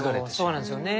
そうなんですよね。